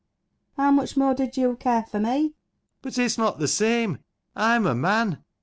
How much more did you care for me ? ALAN. But it's not the same. I'm a man. FANNY.